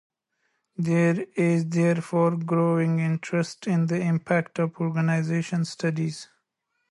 There is therefore growing interest in the impact of organization studies.